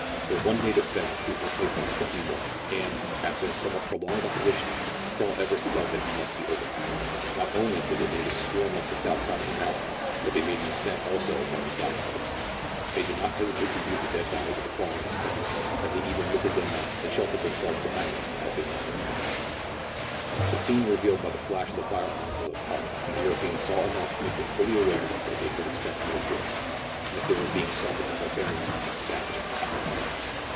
Where one native fell, he was replaced by twenty more, and, after a some what prolonged opposition. Colonel Everest felt that he must be overpowered. Not only did the natives swarm up the south .slope of the mountain, but they made an ascent also by the side slopes. They did not hesitate to use the dead bodies of the fallen as stepping stones, and they even lifted them up, and sheltered themselves behind them. 2o6 MERIDIANA; THE ADVENTURES OF as they mounted. The scene revealed by the flash of the fire arms was appalling, and the Europeans saw enough to make them fully aware that they could expect no quarter, and that they were being assaulted by barbarians as savage as tigers.